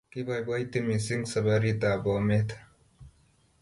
Koipoipoiti missing' saparit ap Bomet